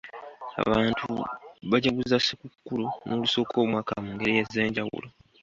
Abantu bagaguza ssekukkulu n'olusookoomwaka mu ngeri ez'enjawulo.